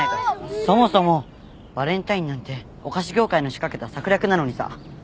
そもそもバレンタインなんてお菓子業界の仕掛けた策略なのにさ